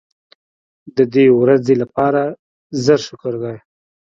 د دې ورځې لپاره زر شکر دی.